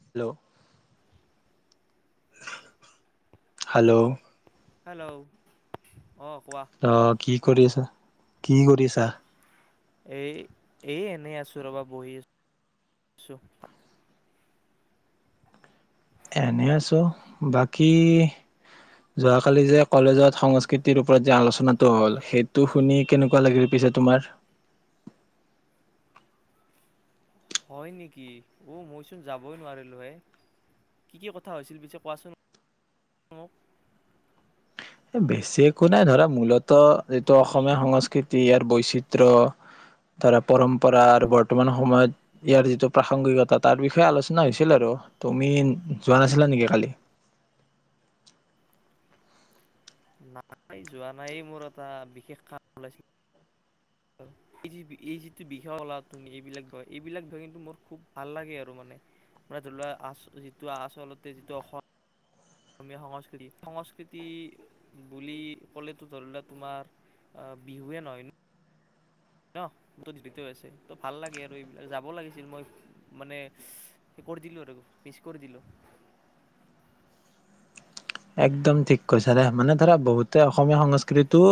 Hello? Hello? Hello? অ' কোৱা। অ' কি কৰি আছা? কি কৰিছা? এই- এই এনেই আছো ৰ'বা। বহি আছো এনে আছোঁ। বাকী যোৱাকালি যে কলেজত সংস্কৃতিৰ ওপৰত যে আলোচনাটো হ'ল, সেইটো শুনি কেনেকুৱা লাগিল পিছে তোমাৰ? হয় নেকি? অ' মইচোন যাবই নোৱাৰিলোঁ হে? কি কি কথা হৈছিল পিছে কোৱাচোন মোক? বেছি একো নাই ধৰা মূলত যিটো অসমীয়া সংস্কৃতি, ইয়াৰ বৈচিত্ৰ্য, ধৰা পৰম্পৰা আৰু বৰ্তমান সময়ত ইয়াৰ যিটো প্ৰাসংগিকতা তাৰ বিষয়ে আলোচনা হৈছিল আৰু। তুমি যোৱা নাছিলা নেকি কালি? নাই, যোৱা নাই মোৰ এটা বিশেষ কাম ওলাইছিল। এই যি এই যিটো বিষয় কলা তুমি এইবিলাক বিষয় এইবিলাক বিষয় কিন্তু মোৰ খুব ভাল লাগে আৰু মানে। মানে ধৰি লোৱা আচ যিটো আচলতে যিটো অসমীয়া সংস্কৃতি-সংস্কৃতি বুলি ক'লেতো ধৰি লোৱা তোমাৰ বিহুৱে নহয় ন? আছে ত ভাল লাগে আৰু এইবিলাক। যাব লাগিছিল মই মানে! কৰি দিলোঁ আৰু, মিচ কৰি দিলোঁ। একদম ঠিক কৈছা দে মানে ধৰা বহুতে অসমীয়া সংস্কৃতিটো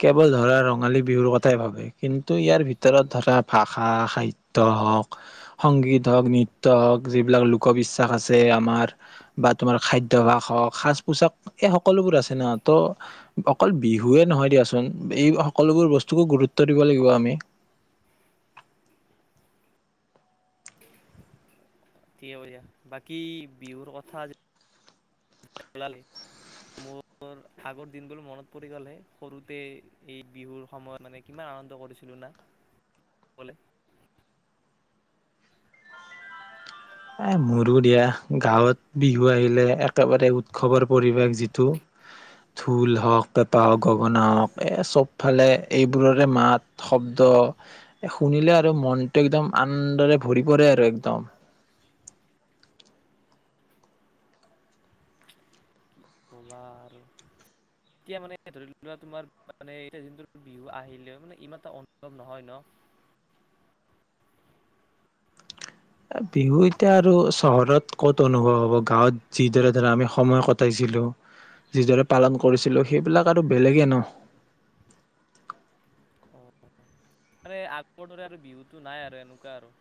কেৱল ধৰা ৰঙালী বিহুৰ কথাই ভাবে। কিন্তু ইয়াৰ ভিতৰত ধৰা ভাষা, সাহিত্য হওঁক, সংগীত হওঁক নৃত্য হওঁক, যিবিলাক লোকবিশ্বাস আছে আমাৰ বা তোমাৰ খাদ্যভাস হওঁক! সাজ পোচাক এই সকলোবোৰ আছে ন ত' অকল বিহুৱে নহয় দিয়াচোন এই সকলোবোৰ বস্তুকো গুৰুত্ব দিব লাগিব আমি। ঠিকে ক দা বাকী বিহুৰ কথা ল মোৰ আগৰ দিনবোৰ মনত পৰি গ'লহে সৰুতে এই বিহুৰ সময়ত মানে কিমান আনন্দ কৰিছিলো না? এ মোৰো দিয়া। গাঁৱত বিহু আহিলে একেবাৰে উৎসৱৰ পৰিৱেশ যিটো ঢোল হওক, পেঁপা হওক, গগনা হওক এই চবফালে এইবোৰৰে মাত, শব্দ শুনিলে আৰু মনটো একদম আনন্দৰে ভৰি পৰে আৰু একদম। কবা আৰু এতিয়া মানে ধৰি লোৱা তোমাৰ মানে এতিয়া যোন বিহু আহিলে মানে ইমান এটা অনুভৱ নহয় ন? বিহু এতিয়া আৰু চহৰত ক'ত অনুভৱ হব? গাঁৱত যিদৰে ধৰা আমি সময় কটাইছিলো যিদৰে পালন কৰিছিলো সেইবিলাক আৰু বেলেগে ন? অ মানে আগৰ দৰে আৰু বিহুটো নাই আৰু এনেকুৱা আৰু।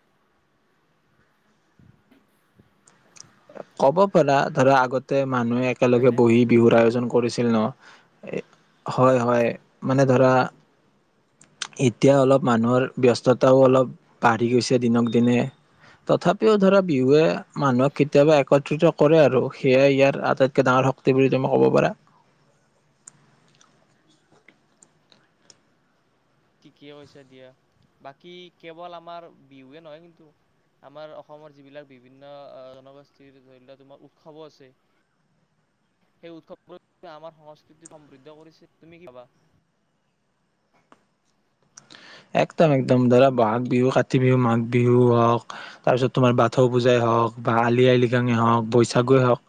হ'ব পাৰা ধৰা আগতে মানুহে একেলগে হয়নে বহি বিহুৰ আয়োজন কৰে। কৰিছিল ন? এ হয়-হয় মানে ধৰা এতিয়া অলপ মানুহৰ ব্যস্ততাও অলপ বাঢ়ি গৈছে দিনক দিনে। তথাপিও ধৰা বিহুৱে মানুহক কেতিয়াবা একত্ৰিত কৰে আৰু সেয়াই ইয়াৰ আটাইতকে ডাঙৰ শক্তি বুলি তুমি ক'ব পাৰা। ঠিকে কৈছা দিয়া। বাকী কেৱল আমাৰ বিহুৱে নহয় কিন্তু, আমাৰ অসমৰ যিবিলাক বিভিন্ন জনগোষ্ঠীৰ ধৰি লোৱা তোমাৰ উৎসৱো আছে। সেই উৎসৱবোৰে আমাৰ সংস্কৃতি সমৃদ্ধ কৰিছে। তুমি কি ভাবা? একদম-একদম ধৰা বহাগ বিহু, কাতি বিহু, মাঘ বিহু হওক তাৰ পিছত তোমাৰ বাথৌ পূজাই হওক বা আলি আই লৃগাঙে হওক বৈশাগুয়েই হওক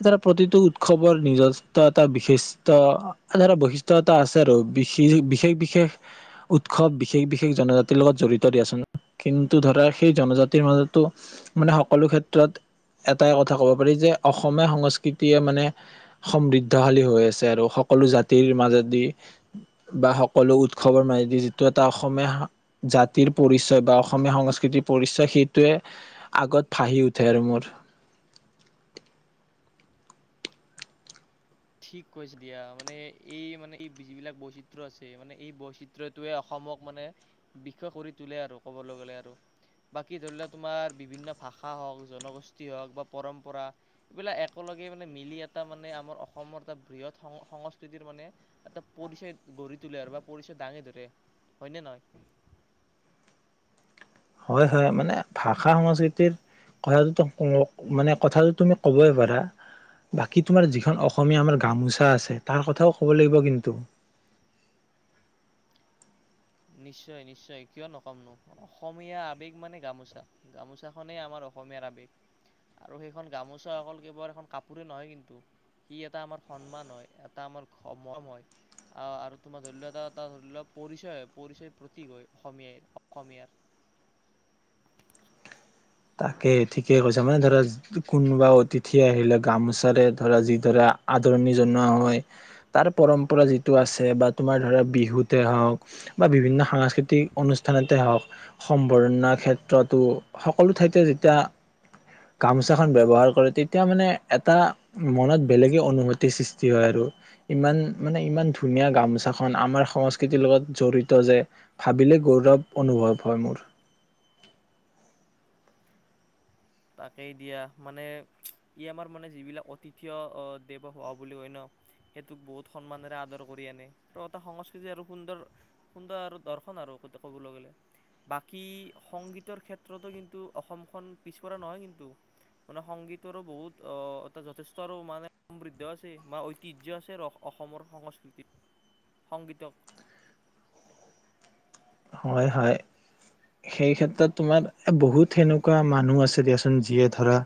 এ ধৰা প্ৰতিটো উৎসৱৰ নিজস্ব এটা বিশিষ্ট ধৰা বৈশিষ্ট্য এটা আছে আৰু! বিশেষ-বিশেষ উৎস সৱ বিশেষ-বিশেষ জনজাতিৰ লগত জড়িত দিয়াচোন। কিন্তু ধৰা সেই জনজাতিৰ মাজতো মানে সকলো ক্ষেত্ৰত এটাই কথা ক'ব পাৰি যে অসমীয়া সংস্কৃতিয়ে মানে সমৃদ্ধশালী হৈ আছে আৰু সকলো জাতিৰ মাজেদি বা সকলো উৎসৱৰ মাজেদি টো এটা অসমীয়া জাতিৰ পৰিচয় বা অসমীয়া সংস্কৃতিৰ পৰিচয় সেইটোৱে আগত ভাঁহি উঠে আৰু মোৰ। ঠিক কৈছে দিয়া। মানে এই মানে এই যিবিলাক বৈচিত্ৰ্য আছে মানে এই বৈচিত্ৰ্যটোৱে অসমক মানে বিষয় কৰি তোলে আৰু ক'বলৈ গ'লে আৰু। বাকী ধৰি লোৱা তোমাৰ বিভিন্ন ভাষা হওক জনগোষ্ঠী হওক বা পৰম্পৰা এইবিলাক একেলগে মানে মিলি এটা মানে আমাৰ অসম অসমৰ এটা বৃহৎ সং-সংস্কৃতিৰ মানে এটা পৰিচয় গঢ়ি তোলে আৰু বা পৰিচয় দাঙি ধৰে হয়নে নহয়? হয়-হয় মানে ভাষা সংস্কৃতিৰ কথাটো মানে কথাটো তুমি ক'বই পাৰা, বাকী তোমাৰ যিখন অসমীয়া আমাৰ গামোচা আছে তাৰ কথাও ক'ব লাগিব কিন্তু! নিশ্চয়-নিশ্চয় কিয় নকমনো? অসমীয়া আবেগ মানে গামোচা, গামোচাখনেই আমাৰ অসমীয়াৰ আবেগ আৰু সেইখন গামোচা অকল কেৱল এখন কাপোৰে নহয় কিন্তু সি এটা আমাৰ সন্মান হয় এটা আমাৰ ঘ মম হয় আহ আৰু তোমাৰ ধৰি লোৱা এ এটা ধৰি লোৱা পৰিচয় হয়। পৰিচয় প্ৰতীক হয় অসমীয়াই অসমীয়াৰ তাকে ঠিকেই কৈছা মানে ধৰা কোনোবা অতিথি আহিলে গামোচাৰে ধৰা যি দৰে আদৰণি জনোৱা হয়। তাৰ পৰম্পৰা যিটো আছে বা তোমাৰ ধৰা বিহুতে হওক বা বিভিন্ন সাংস্কৃতিক অনুষ্ঠানতে হওঁক সম্বৰ্ধনাৰ ক্ষেত্ৰতো সক সকলো ঠাইতে যেতিয়া গামোচাখন ব্যৱহাৰ কৰে তেতিয়া মানে এটা মনত বেলেগে অনুভূতিৰ সৃষ্টি হয় আৰু! ইমান মানে ইমান ধুনীয়া গামোছাখন আমাৰ সংস্কৃতিৰ লগত জড়িত যে, ভাবিলে গৌৰৱ অনুভৱ হয় মোৰ। তাকেই দিয়া মানে ই আমাৰ মানে যিবিলাক অতিথিয় দেৱ ভৱ বুলি কয় ন সেইটোক বহুত সন্মানেৰে আদৰ কৰি আনে আৰু এটা সংস্কৃতি আৰু সুন্দৰ-সুন্দৰ আৰু দৰ্শন আৰু ক'বলৈ গ'লে। বাকী সংগীতৰ ক্ষেত্ৰতো কিন্তু অসমখন পিছ পৰা নহয় কিন্তু? মানে সংগীতৰো বহুত অ এটা যথেষ্ট আৰু মানে সমৃদ্ধ আছে বা ঐতিহ্য আছে আৰু অসমৰ সংস্কৃতিত, সংগীতক। হয়-হয়। সেই ক্ষেত্ৰত তোমাৰ আ বহুত সেনেকুৱা মানুহ আছে দিয়াচোন যিয়ে ধৰা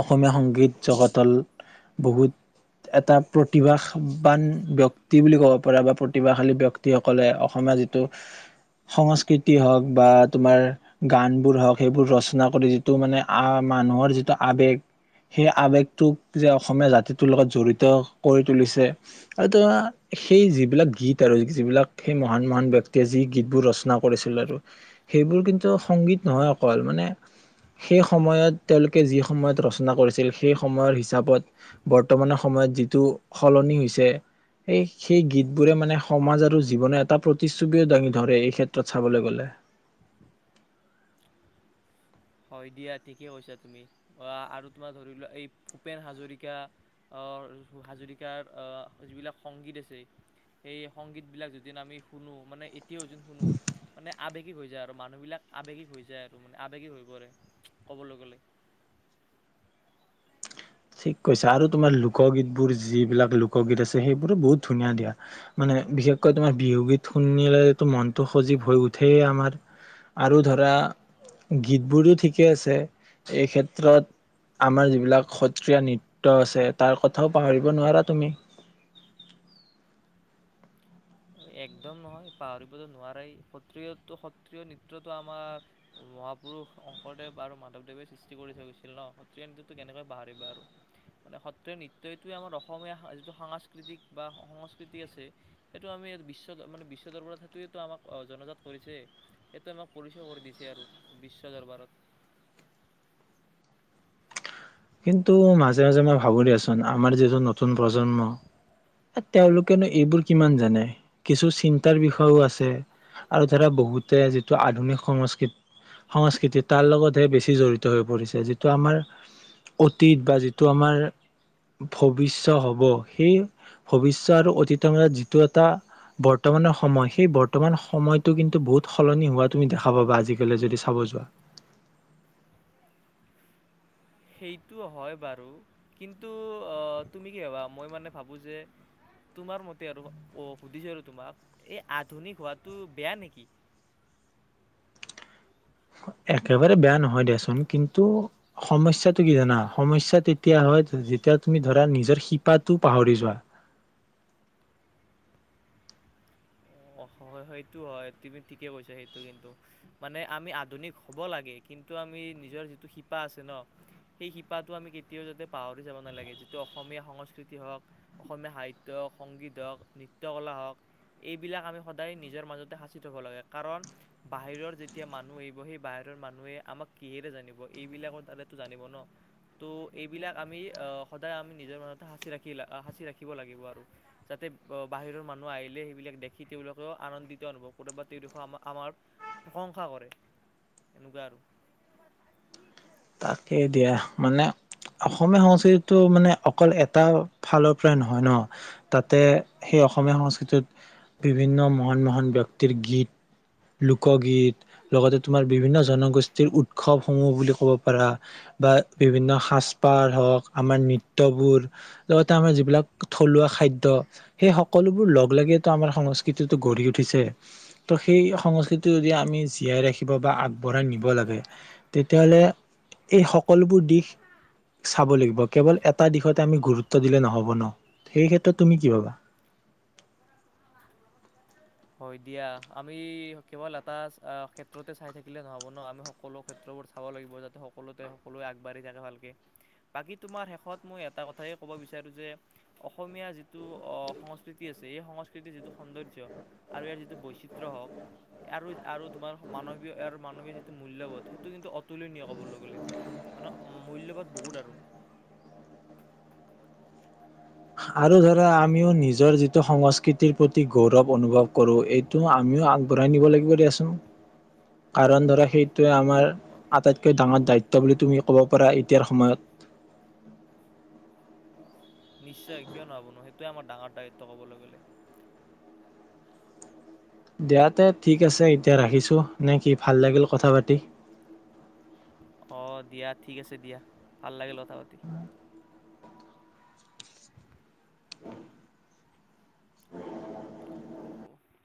অসমীয়া সংগীত জগতল বহুত এটা প্ৰতিভা শা বান ব্যক্তি বুলি ক'ব পাৰা বা প্ৰতিভাশালী ব্যক্তিসকলে অসমীয়া যি টো সংস্কৃতি হওক বা তোমাৰ গানবোৰ হওঁক সেইবোৰ ৰচনা কৰি যিটো মানে আ মানুহৰ যিটো আবেগ, সেই আবেগটোক যে অসমীয়া জাতিটোৰ লগত জড়িত কৰি তুলিছে আৰু সেই যিবিলাক গীত আৰু যিবিলাক সেই মহান মহান ব্যক্তি তে যি গীতবোৰ ৰচনা কৰিছিল আৰু সেইবোৰ কিন্তু সংগীত নহয় অকল। মানে সেই সময়ত তেওঁলোকে যি সময়ত ৰচনা কৰিছিল সেই সময়ৰ হিচাপত বৰ্তমানৰ সময়ত যিটো সলনি হৈছে সেই সেই গীতবোৰে মানে সমাজ আৰু জীৱনৰ এটা প্ৰতি চুবীয়ও দাঙি ধৰে এইক্ষেত্ৰত চাবলৈ গ'লে। হয় দিয়া ঠিকেই কৈছা তুমি আ‌ আৰু তোমাৰ ধৰিলোৱা এই ভূপেন হাজৰিকা-হাজৰিকাৰ অ যিবিলাক সংগীত আছে। সেই সংগীতবিলাক যদি আমি শুনো মানে মিউজিক শুনো মানে আবেগ হৈ যায় আৰু মানুহ বিলাক আৱেগিক হৈ যায় আৰু মানে আবেগিক হৈ ক'বলৈ গ'লে ঠিক কৈছা আৰু তোমাৰ লোকগীতবোৰ যিবিলাক লোকগীত আছে সেইবোৰো বহুত ধুনীয়া দিয়া। মানে বিশেষকৈ তোমাৰ বিহুগীত শুনিলেতো মনতটো সজীৱ হৈ উঠেই আমাৰ আৰু ধৰা গীতবোৰো ঠিকেই আছে এই ক্ষেত্ৰত আমাৰ যিবিলাক স ৰাষ্ট্ৰীয় নৃত্য আছে তাৰ কথাও পাহৰিব নোৱাৰা তুমি। একদম নহয় পাহৰিবতো নোৱাৰায়ে সত্ৰীয়াতো সত্ৰীয়া নৃত্যতো আমাৰ মহাপুৰুষ শংকৰদেৱ আৰু মাধৱদেৱে সৃষ্টি কৰি থৈ গৈছিল ন, সত্ৰীয়া নৃত্যটো কেনেকৈ পাহৰিবা আৰু? মানে সত্ৰীয়া নৃত্যটোৱে আমাৰ অসমীয়া যিটো সাংস্কৃতিক বা সংস্কৃতি আছে সেইটো আমি বিশ্ব দৰ মানে বিশ্ব দৰবাৰত সেইটোৱেটো আমাক জনজাত কৰিছে। সেইটোৱেটো আমাক পৰিচয় কৰি দিছে আৰু বিশ্ব দৰবাৰত। কিন্তু মাজে মাজে মই ভাবো দেচোন আমাৰ যিটো নতুন প্ৰজন্ম তেওঁলোকেনো এইবোৰ কিমান জানে কিছু চিন্তাৰ বিষয়ও আছে আৰু ধৰা বহুতে যিটো আধুনিক সংস্কৃত সংস্কৃতি তাৰ লগতহে বেছি জড়িত হৈ পৰিছে যিটো আমাৰ অতীত বা যিটো আমাৰ ভবিষ্য হব সেই ভবিষ্য আৰু অতীতৰ যিটো এটা বৰ্তমানৰ সময় সেই বৰ্তমান সময়টো কিন্তু বহুত সলনি হোৱা তুমি দেখা পাবা আজিকালি যদি চাব যোৱা৷ সেইটো হয় বাৰু কিন্তু তুমি কি ভাবা মই মানে ভাবো যে তোমাৰ মতে আৰু অ সুধিছো আৰু তোমাক এই আধুনিক হোৱাটো বেয়া নেকি? একেবাৰে বেয়া নহয় দিয়াচোন কিন্তু সমস্যাটো কি জানা সমস্যা তেতিয়া হয় যেতিয়া তুমি ধৰা নিজৰ শিপাটো পাহৰি যোৱা৷ সেইটো হয় তুমি ঠিকে কৈছা, সেইটো কিন্তু মানে আমি আধুনিক হ'ব লাগে। কিন্তু আমি নিজৰ যিটো শিপা আছে ন, আমি কেতিয়াও যাতে পাহৰি যাব নালাগে। যিটো অসমীয়া সংস্কৃতি ওক অসমীয়া সাহিত্যয় হওক সংগীত হওক নৃত্যকলা হওক এই। বিলাক আমি সদায় নিজৰ মাজতে সাঁচি থব লাগে কাৰণ বাহিৰৰ যেতিয়া মানুহ আহিব সেই বাহিৰৰ মানুহে আমাক কিহেৰে জানিব এইবিলাকৰ দ্বাৰাটো জানিব ন ত' এইবিলাক আমি আহ সদায় আমি নিজৰ মাজতে সাঁচি ৰাখি সাঁচি ৰাখিব লাগিব আৰু যাতে বাহিৰৰ মানুহ আহিলে সেইবিলাক সিটোও বিলাকে আনন্দিত অনুভৱ কৰে বা তেওঁলোকেও আমাক আমাৰ প্ৰশংসা কৰে। এনেকুৱা আৰু তাকে দিয়া মানে অসমীয়া সংস্কৃতিটো মানে অকল এটা ফালৰ পৰাই নহয় ন তাতে সেই অসমীয়া সংস্কৃতিত বিভিন্ন মহান মহান ব্যক্তিৰ গীত, লোকগীত লগতে তোমাৰ বিভিন্ন জনগোষ্ঠীৰ উৎসৱসমূহ বুলি ক'ব। পৰা বা বিভিন্ন সাজপাৰ হওঁক আমাৰ নৃত্যবোৰ লগতে আমাৰ যিবিলাক থলুৱা খাদ্য সেই সকলোবোৰ লগ লাগিটো আমাৰ সংস্কৃতিতটো গঢ়ি উঠিছে ত' সেই সংস্কৃতি যদি আমি জীয়াই ৰাখিব বা আগবঢ়াই নিব লাগে তেতিয়াহলে এই সকলোবোৰ দিশ চাব লাগিব কেৱল এটা দিশতে আমি গুৰুত্ব দিলে নহ'ব ন সেই ক্ষেত্ৰত তুমি কি ভাবা। হয় দিয়া আমি কেৱল এটা ক্ষেত্ৰতে চাই থাকিলে নহব ন আমি সকলো ক্ষেত্ৰবোৰ চাব লাগিব যাতে সকলোতে সকলোৱে আগবাঢ়ি থাকে ভালকে বাকী তোমাৰ শেষত মই এটা কথাই ক'ব বিচাৰো যে অসমীয়া যিটো অ সংস্কৃতি আছে এই সংস্কৃতিৰ যিটো সৌন্দৰ্য আৰু ইয়াৰ যিটো বৈচিত্ৰ হওক আৰু আৰু তোমাৰ মানৱীয় আৰু মানৱীয় যিটো মূল্যবোধ সেইটো কিন্তু অতুলনীয় ক'বলৈ গ'লে মানে মূল্যবোধ বহুত আৰু। আৰু ধৰা আমিও নিজৰ যিটো সংস্কৃতিৰ প্ৰতি গৌৰৱ অনুভৱ কৰো এইটো আমিও আগবঢ়াই নিব লাগিব দেচোন, কাৰণ ধৰা সেইটোৱে আমাৰ অ, আটাইতকৈ ডাঙৰ দায়িত্ব বুলি তুমি ক'ব পাৰা এতিয়াৰ সময়ত৷ নিশ্চয় কিয় নহ'বনো সেইটোৱে আমাৰ ডাঙৰ দায়িত্ব কবলৈ গ'লে। দিয়া তে ঠিক আছে এতিয়া ৰাখিছো নে কি ভাল লাগিল কথা পাতি। অ দিয়া ঠিক আছে দিয়া ভাল লাগিল কথা পাতি। দান [inaudible] বড়ো